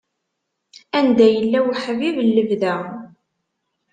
Anda yella uḥbib n lebda.